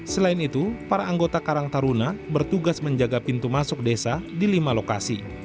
selain itu para anggota karang taruna bertugas menjaga pintu masuk desa di lima lokasi